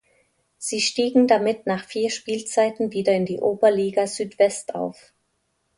Sie stiegen damit nach vier Spielzeiten wieder in die Oberliga Südwest auf.